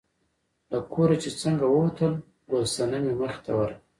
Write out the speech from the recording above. له کوره چې څنګه ووتل، ګل صنمې مخې ته ورغله.